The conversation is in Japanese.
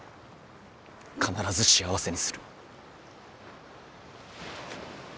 必ず幸せにする。